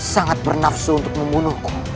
sangat bernafsu untuk membunuhku